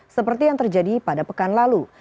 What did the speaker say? seperti yang terjadi pada pekan lalu